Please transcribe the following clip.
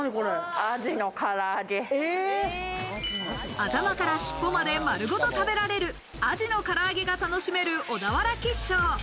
頭から尻尾まで丸ごと食べられる鯵のから揚げが楽しめる小田原吉匠。